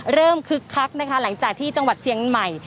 คึกคักนะคะหลังจากที่จังหวัดเชียงใหม่